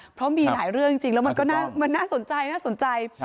เพราะมีหลายเรื่องจริงแล้วมันก็น่าสนใจน่าสนใจ